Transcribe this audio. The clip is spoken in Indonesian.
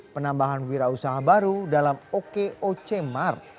penambahan wira usaha baru dalam okoc mart